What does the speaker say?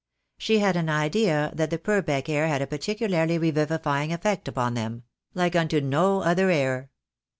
She had an idea that the Pur beck air had a particularly revivifying effect upon them — like unto no other air.